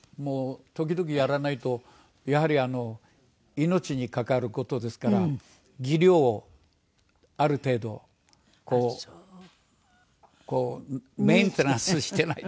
時々やらないとやはり命に関わる事ですから技量をある程度こうメンテナンスしてないとですね。